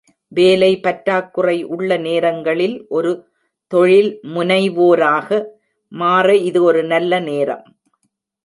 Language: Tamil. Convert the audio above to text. வேலை பற்றாக்குறை உள்ள நேரங்களில், ஒரு தொழில்முனைவோராக மாற இது ஒரு நல்ல நேரம்..